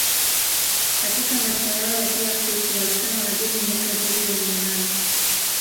Katika maisha yao ya kila siku walikaa na wageni miaka zaidi ya mia nane